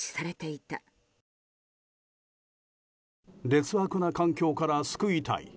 劣悪な環境から救いたい。